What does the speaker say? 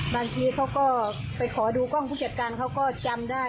บางทีเขาก็ไปขอดูกล้องผู้จัดการเขาก็จำได้